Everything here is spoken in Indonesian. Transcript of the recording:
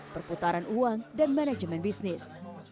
perputaran uang dan manajemen bisnis